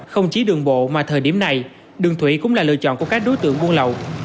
không chỉ đường bộ mà thời điểm này đường thủy cũng là lựa chọn của các đối tượng buôn lậu